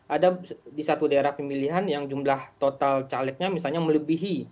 ada di satu daerah pemilihan yang jumlah total calegnya misalnya melebihi